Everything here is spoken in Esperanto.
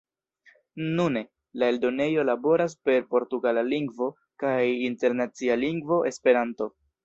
Nune, la eldonejo laboras per portugala lingvo kaj Internacia Lingvo Esperanto.